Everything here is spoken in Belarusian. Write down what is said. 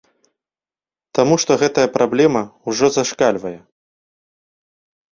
Таму што гэтая праблема ўжо зашкальвае.